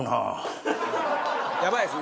やばいですね。